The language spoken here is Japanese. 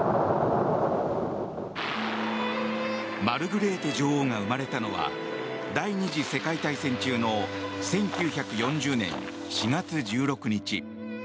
マルグレーテ女王が生まれたのは第２次世界大戦中の１９４０年４月１６日。